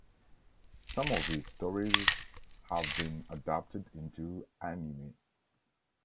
Some of his stories have been adapted into anime.